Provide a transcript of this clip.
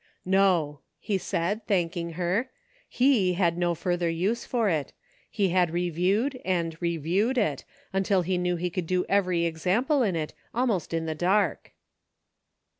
"No," he said, thanking her, he had no further use for it ; he had reviewed and reviewed it, until he knew he could do any example in it, almost in the dark.